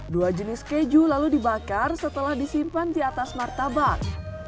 dua jenis keju lalu dibakar setelah disimpan di atas martabak